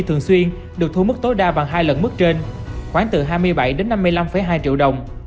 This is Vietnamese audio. thường xuyên được thu mức tối đa bằng hai lần mức trên khoảng từ hai mươi bảy đến năm mươi năm hai triệu đồng